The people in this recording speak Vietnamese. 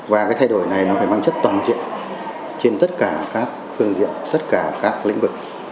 và cái thay đổi này nó phải mang chất toàn diện trên tất cả các phương diện tất cả các lĩnh vực